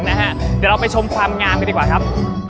เดี๋ยวเราไปชมความงามกันดีกว่าครับ